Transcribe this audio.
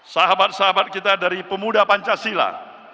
sahabat sahabat kita dari pemuda pancasila